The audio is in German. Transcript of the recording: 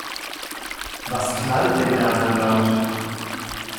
Was knallt denn da so laut?